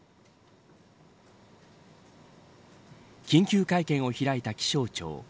緊急会見を開いた気象庁。